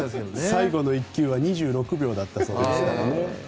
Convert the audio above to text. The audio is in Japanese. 最後の１球は２６秒だったそうですから。